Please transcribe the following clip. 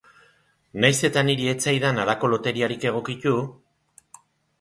Nahiz eta niri ez zaidan halako loteriarik egokitu.